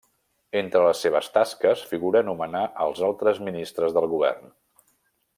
Entre les seves tasques figura nomenar als altres ministres del govern.